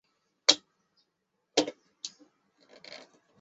刺巢鼠属等之数种哺乳动物。